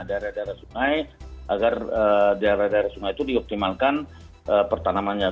daerah daerah sungai agar daerah daerah sungai itu dioptimalkan pertanamannya